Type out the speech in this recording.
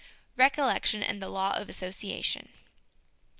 Recollection and the Law of Association.